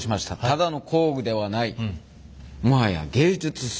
ただの工具ではないもはや芸術作品でしたね。